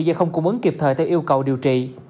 do không cung ứng kịp thời theo yêu cầu điều trị